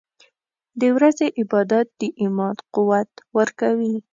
• د ورځې عبادت د ایمان قوت ورکوي.